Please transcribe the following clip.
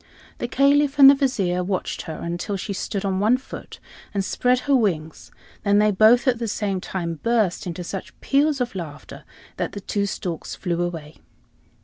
The Caliph and the Vizier watched her, until she stood on one foot and spread her wings; then they both, at the same time, burst into such peals of laughter that the two storks flew away.